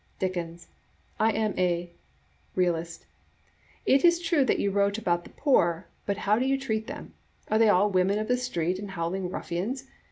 Dickens.—'' I am a " Realist — "It is true that you wrote about the poor, but how do you treat them? Are they all women of the street and howling ruffians?